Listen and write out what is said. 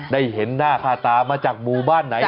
ได้เห็นหน้าภาตามาจากบุบันไหน